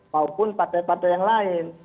maupun partai partai yang lain